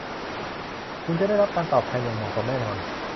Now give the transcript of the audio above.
คุณจะได้รับการตอบแทนอย่างเหมาะสมแน่นอน